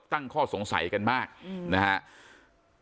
ตั้งข้อสงสัยกันมากนะครับ